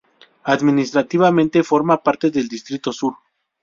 Administrativamente forma parte del Distrito Sur.